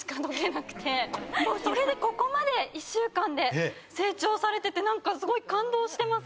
それでここまで１週間で成長されててなんかすごい感動してます。